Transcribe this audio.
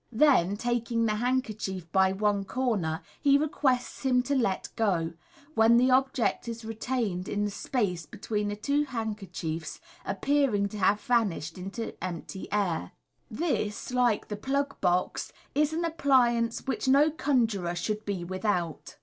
Then, taking the handkerchief by one corner, he requests him to let go, when the object is retained in the space between the two handkerchiefs, appeal ing to have vanished into empty air. This, like the plug box, is an appliance which no conjuror should be without.